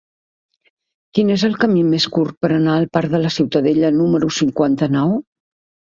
Quin és el camí més curt per anar al parc de la Ciutadella número cinquanta-nou?